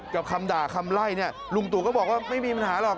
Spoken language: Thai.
คำด่าคำไล่เนี่ยลุงตู่ก็บอกว่าไม่มีปัญหาหรอก